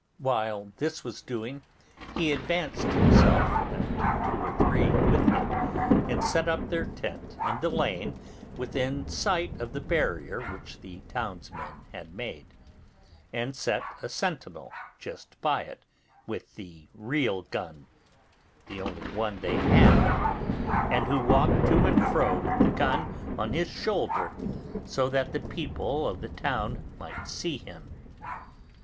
While this was doing he advanced himself and two or three with him, and set up their tent in the lane within sight of the barrier which the town's men had made, and set a sentinel just by it with the real gun, the only one they had, and who walked to and fro with the gun on his shoulder, so as that the people of the town might see them.